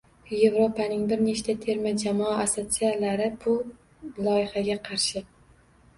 Yevropaning bir nechta terma jamoa assotsiatsiyalari bu loyihaga qarshi